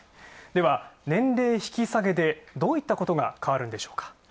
では、年齢引き下げで、どういったことが変わるんでしょうか。